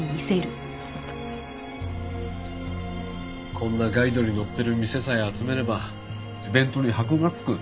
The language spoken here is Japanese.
こんなガイドに載ってる店さえ集めればイベントに箔が付く。